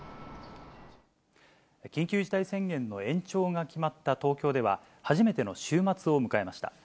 緊急事態宣言の延長が決まった東京では、初めての週末を迎えました。